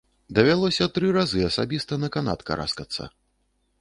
Давялося тры разы асабіста на канат караскацца.